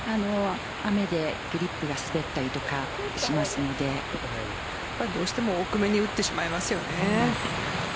雨でグリップが滑ったりとかしますのでどうしても奥めに打ってしまいますよね。